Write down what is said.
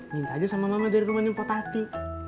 minta aja sama mama dari rumahnya pak tati